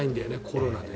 コロナで。